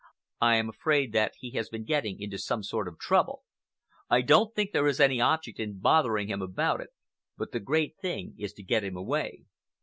I am afraid that he has been getting into some sort of trouble. I don't think there is any object in bothering him about it, but the great thing is to get him away."